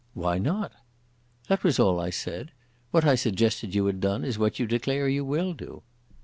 "Why not?" "That was all I said. What I suggested you had done is what you declare you will do."